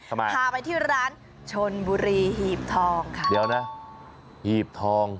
พาไปที่ร้านชนบุรีหีบทองค่ะเดี๋ยวนะหีบทอง